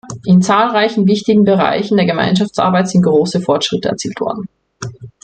In zahlreichen wichtigen Bereichen der Gemeinschaftsarbeit sind große Fortschritte erzielt worden.